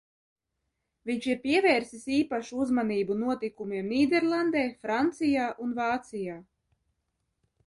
Viņš ir pievērsis īpašu uzmanību notikumiem Nīderlandē, Francijā un Vācijā.